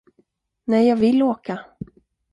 Nej, jag vill åka.